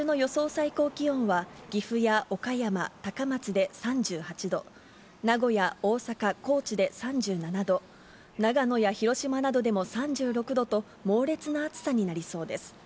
最高気温は、岐阜や岡山、高松で３８度、名古屋、大阪、高知で３７度、長野や広島などでも３６度と、猛烈な暑さになりそうです。